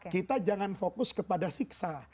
kita jangan fokus kepada siksa